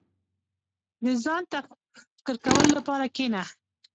• د ځان ته فکر کولو لپاره کښېنه.